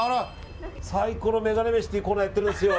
サイコロメガネ飯というコーナーやってるんですよ。